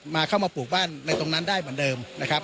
เข้ามาปลูกบ้านในตรงนั้นได้เหมือนเดิมนะครับ